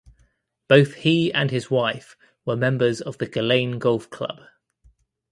Both he and his wife were members of the Gullane Golf Club.